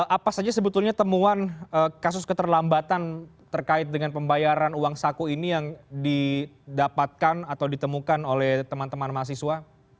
apa saja sebetulnya temuan kasus keterlambatan terkait dengan pembayaran uang saku ini yang didapatkan atau ditemukan oleh teman teman mahasiswa